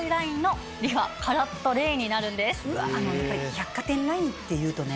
百貨店ラインっていうとね